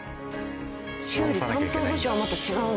修理担当部署はまた違うんや。